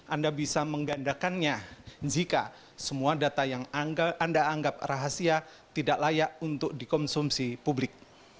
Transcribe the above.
anda bisa menggandakannya jika semua data yang anda anggap rahasia tidak layak untuk dikonsumsi publik